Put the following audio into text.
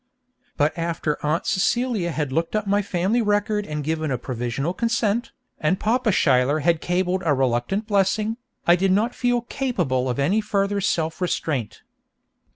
But after Aunt Celia had looked up my family record and given a provisional consent, and Papa Schuyler had cabled a reluctant blessing, I did not feel capable of any further self restraint.